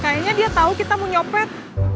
kayaknya dia tahu kita mau nyopet